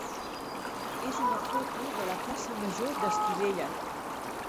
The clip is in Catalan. és una foto de la plaça major d'Estivella.